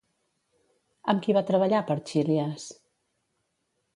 Amb qui va treballar per Chilias?